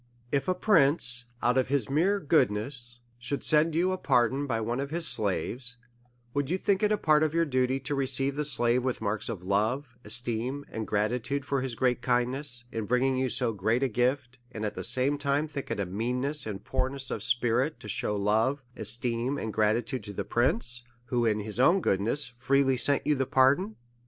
If a prince, out of his mere goodness, should send you a pardon by one of his slaves, would you not think it a part of your duty to receive the slave with marks of love, esteem, and gratitude, for his great kindness in bringing you so great a gift ; and, at the same time, think it a meanness and poorness of spirit, to shew love, esteem, and gratitude to the prince, who of his own goodness freely sent you the pardon?